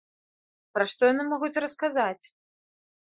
Пра што яны могуць расказаць?